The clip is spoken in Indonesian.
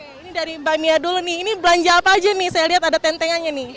ini dari mbak mia dulu nih ini belanja apa aja nih saya lihat ada tentengannya nih